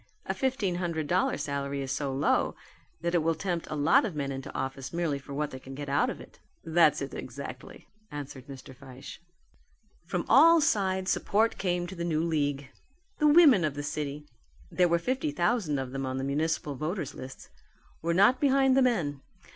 A fifteen hundred dollar salary is so low that it will tempt a lot of men into office merely for what they can get out of it." "That's it exactly," answered Mr. Fyshe. From all sides support came to the new league. The women of the city there were fifty thousand of them on the municipal voters list were not behind the men.